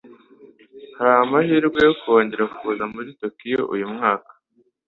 Hari amahirwe yo kongera kuza muri Tokiyo uyu mwaka?